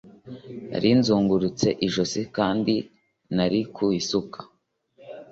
Nari nzungurutse ijosi kandi nari ku isuka